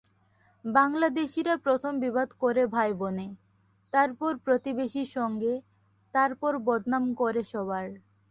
বাংলাদেশিরা প্রথম বিবাদ করে ভাই-বোনে, তারপর প্রতিবেশীর সঙ্গে, তারপর বদনাম করে সবার।